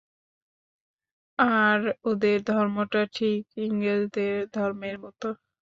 আর ওঁদের ধর্মটা ঠিক ইংরেজদের ধর্মের মত।